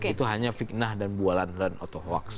itu bualan dan otohuak